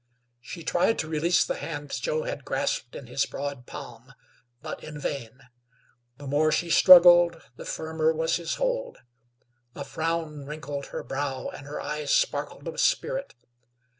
She tried to release the hand Joe had grasped in his broad palm, but in vain; the more she struggled the firmer was his hold. A frown wrinkled her brow and her eyes sparkled with spirit.